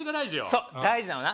そっ大事なのはな